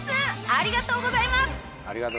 ありがとうございます！